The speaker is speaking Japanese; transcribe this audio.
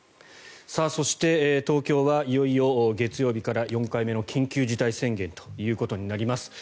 そして、東京はいよいよ月曜日から４回目の緊急事態宣言となります。